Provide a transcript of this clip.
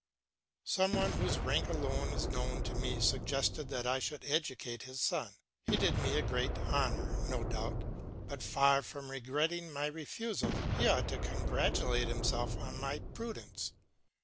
Some one whose rank alone is known to me suggested that I should educate his son. He did me a great honour, no doubt, but far from regretting my refusal, he ought to congratulate himself on my prudence.